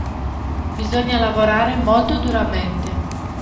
Bisogna lavorare molto duramente.